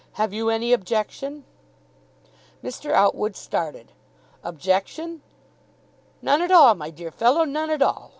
Have you any objection?" Mr. Outwood started. "Objection? None at all, my dear fellow, none at all.